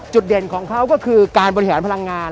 เด่นของเขาก็คือการบริหารพลังงาน